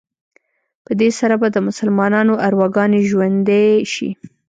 په دې سره به د مسلمانانو ارواګانې ژوندي شي.